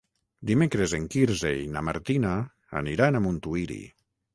Dimecres en Quirze i na Martina aniran a Montuïri.